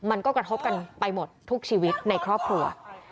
มันก็กระทบกันไปหมดทุกชีวิตในครอบครัว